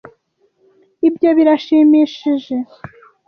Ibyo birashimishije.